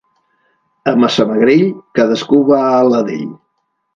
A Massamagrell, cadascú va a la d'ell.